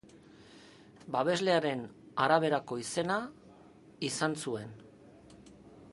Babeslearen araberako izena izan zuen.